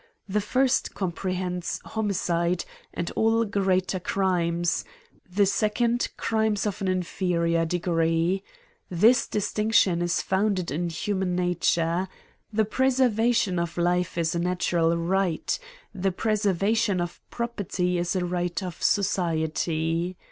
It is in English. The first comprehends homicide, and all greater crimes ; the second crimes of an inferior degree. This distinction is founded in human nature. The preservation of life is a natural right ; the preservation of property is a right of society.